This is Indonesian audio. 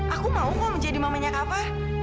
aku mau mau menjadi mamanya kava